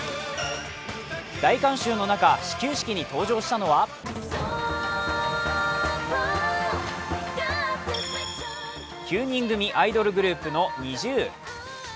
大観衆の中、始球式に登場したのは９人組アイドルグループのＮｉｚｉＵ。